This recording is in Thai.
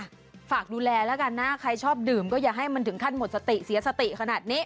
ฝากดูแลแล้วกันนะใครชอบดื่มก็อย่าให้มันถึงขั้นหมดสติเสียสติขนาดนี้